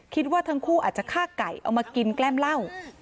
คิดว่าทั้งคู่อาจจะฆ่าไก่เอามากินแกล้มเหล้า